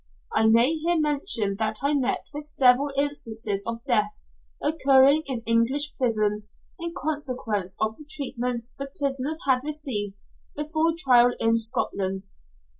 I may here mention that I met with several instances of deaths occurring in English prisons in consequence of the treatment the prisoners had received before trial in Scotland.